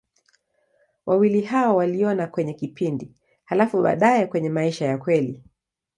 Wawili hao waliona kwenye kipindi, halafu baadaye kwenye maisha ya kweli.